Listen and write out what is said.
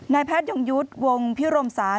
นายแพทย์ย่องยุทธ์วงภิโรมศาล